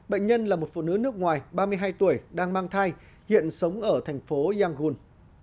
bệnh nhân là một phụ nữ nước ngoài ba mươi hai tuổi đang mang thai hiện sống ở thành phố yangun